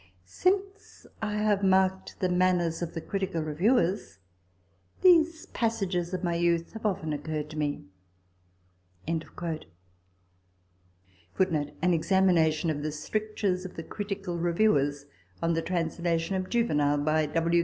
Since I have marked the manners of the Critical Reviewers, these passages of my youth have often occurred tome." An Examination of the Stric tures of the Critical Reviewers on the Translation of Juvenal by W.